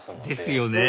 ですよね